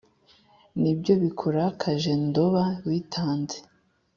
ni byo bikurakaje ndoba witanze,